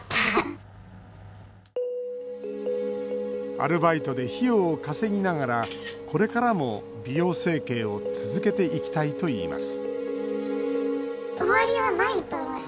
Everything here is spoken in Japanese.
アルバイトで費用を稼ぎながらこれからも美容整形を続けていきたいといいます